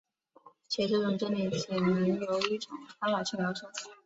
且这种真理仅能由一种方法去描述。